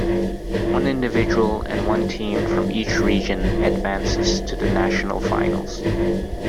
One individual and one team from each region advances to the National Finals.